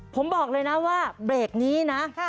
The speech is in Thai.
ผมบอกเลยนะว่าเบรกนี้นะ